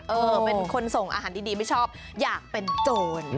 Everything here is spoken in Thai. เป็นคนส่งอาหารดีไม่ชอบอยากเป็นโจร